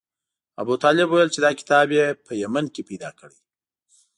ابوطالب ویل چې دا کتاب یې په یمن کې پیدا کړی.